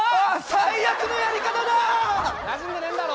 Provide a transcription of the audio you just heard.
最悪なやり方だ。